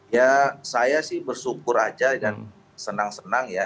ya saya sih bersyukur aja dan senang senang ya